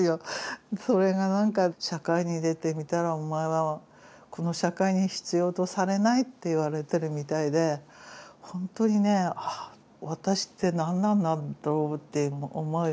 それが何か社会に出てみたらお前はこの社会に必要とされないって言われてるみたいでほんとにねあっ私って何なんだろうっていう思いをね。